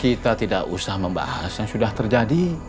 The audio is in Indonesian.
kita tidak usah membahas yang sudah terjadi